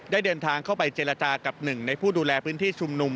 ได้เดินทางเข้าไปเจรจากับหนึ่งในผู้ดูแลพื้นที่ชุมนุม